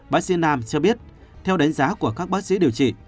bác sĩ nam cho biết theo đánh giá của các bác sĩ điều trị